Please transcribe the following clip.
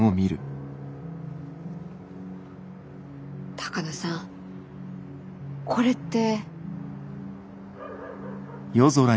鷹野さんこれって。